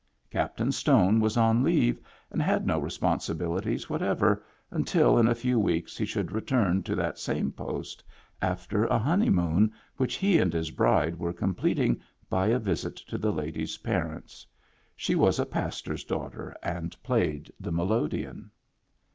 Captain Stone was on leave, and had no responsibilities whatever until in a few weeks he should return to that same post after a honeymoon which he and his bride were completing by a visit to the lady's parents. She was a pastor's daughter and played the melodeon.